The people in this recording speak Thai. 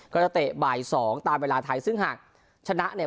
เตะบ่ายสองตามเวลาไทยซึ่งหากชนะเนี่ย